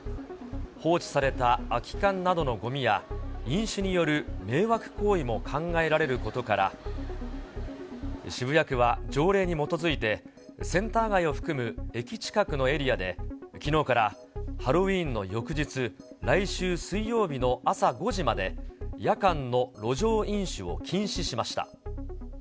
放置された空き缶などのごみや、飲酒による迷惑行為も考えられることから、渋谷区は条例に基づいて、センター街を含む駅近くのエリアで、きのうからハロウィーンの翌日、来週水曜日の朝５時まで、夜間の路上飲酒を禁止しました。